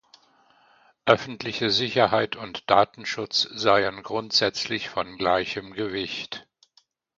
Öffentliche Sicherheit und Datenschutz seien grundsätzlich von gleichem Gewicht.